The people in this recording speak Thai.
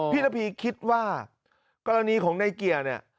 พี่ระพีคิดว่ากรณีของไนเกียร์น่ะ